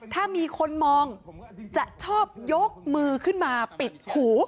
ถ้ามีคนมองจะชอบยกมือขึ้นมาปิดหู